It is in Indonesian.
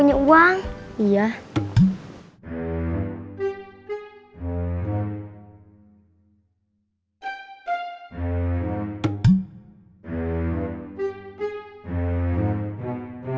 saya dia belie aha